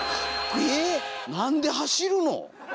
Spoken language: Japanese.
えっなんで走るの？